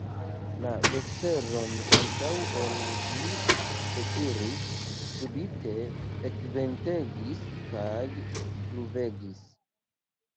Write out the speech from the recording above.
La vesperon antaŭ ol ni ekiris, subite ekventegis kaj pluvegis.